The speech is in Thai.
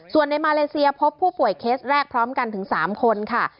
ส่วนในมาเลเซียพบผู้ป่วยเคสแรกพร้อมกันถึง๓คนค่ะ